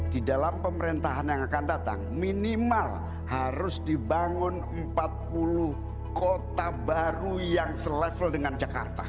di dalam pemerintahan yang akan datang minimal harus dibangun empat puluh kota baru yang selevel dengan jakarta